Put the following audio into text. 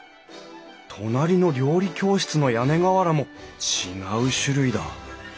隣の料理教室の屋根瓦も違う種類だ。